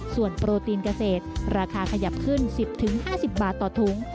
ส่วนโปรตีนเกษตรราคาขยับขึ้น๑๐๕๐บาทต่อถุง